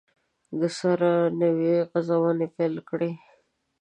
دسره نوي غزونې پیل کړي